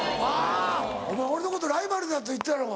「お前俺のことライバルだって言ってたろ。